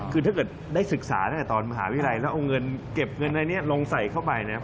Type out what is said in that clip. คือถ้าเกิดได้ศึกษาตั้งแต่ตอนมหาวิทยาลัยแล้วเอาเงินเก็บเงินอะไรนี้ลงใส่เข้าไปนะครับ